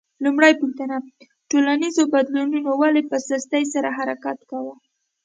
لومړۍ پوښتنه: ټولنیزو بدلونونو ولې په سستۍ سره حرکت کاوه؟